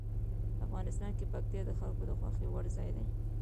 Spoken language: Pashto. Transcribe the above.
افغانستان کې پکتیا د خلکو د خوښې وړ ځای دی.